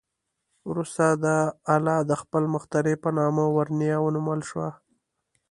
وروسته دا آله د خپل مخترع په نامه "ورنیه" ونومول شوه.